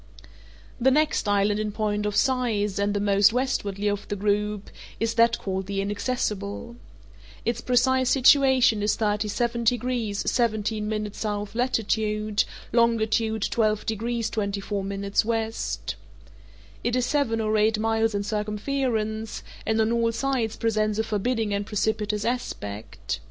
The next island in point of size, and the most westwardly of the group, is that called the Inaccessible. Its precise situation is 37 degrees 17' S. latitude, longitude 12 degrees 24' W. It is seven or eight miles in circumference, and on all sides presents a forbidding and precipitous aspect.